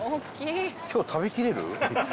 今日食べきれる？